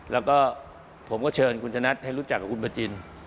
และผมก็เชิญคุณชนะทหรืนให้รู้จักกับคุณมจิน